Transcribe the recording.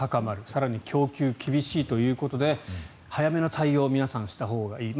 更に供給が厳しいということで早めの対応を皆さん、したほうがいい。